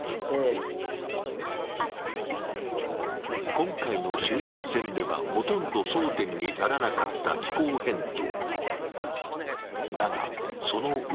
今回の衆院選ではほとんど争点にならなかった気候変動。